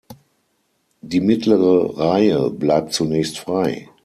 Die mittlere Reihe bleibt zunächst frei.